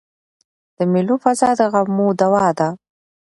د مېلو فضا د غمو دوا ده.